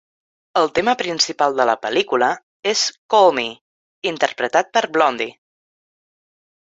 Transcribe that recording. El tema principal de la pel·lícula és "Call Me" interpretat per Blondie.